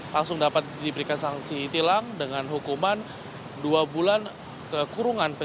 langsung dapat diberikan sanksi tilang dengan hukuman dua bulan kekurungan